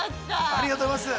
◆ありがとうございます。